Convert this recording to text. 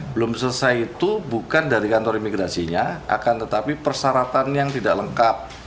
belum selesai itu bukan dari kantor imigrasinya akan tetapi persyaratan yang tidak lengkap